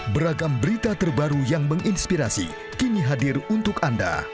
beragam berita terbaru yang menginspirasi kini hadir untuk anda